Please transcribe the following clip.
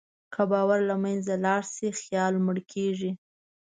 که باور له منځه لاړ شي، خیال مړ کېږي.